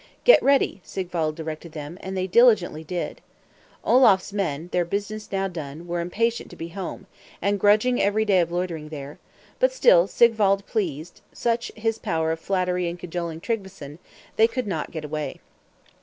"Get ready!" Sigwald directed them, and they diligently did. Olaf's men, their business now done, were impatient to be home; and grudged every day of loitering there; but, till Sigwald pleased, such his power of flattering and cajoling Tryggveson, they could not get away.